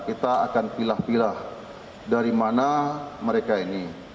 kita akan pilah pilah dari mana mereka ini